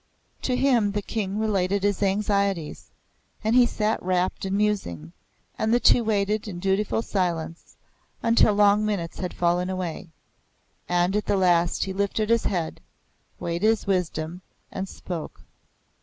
To him the King related his anxieties; and he sat rapt in musing, and the two waited in dutiful silence until long minutes had fallen away; and at the last he lifted his head, weighted with wisdom, and spoke.